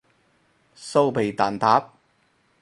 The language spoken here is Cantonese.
酥皮蛋撻